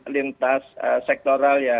lintas sektoral ya